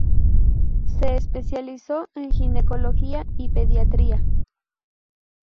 Se especializó en Ginecología y Pediatría.